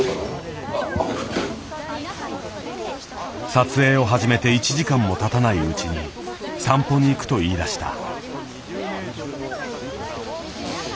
撮影を始めて１時間もたたないうちに散歩に行くと言いだした。